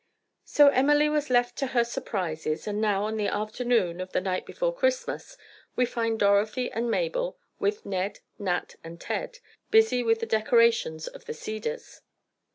So Emily was left to her surprises, and now, on the afternoon of the night before Christmas, we find Dorothy and Mabel, with Ned, Nat and Ted, busy with the decorations of the Cedars.